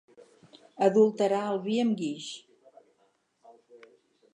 Adulterar el vi amb guix.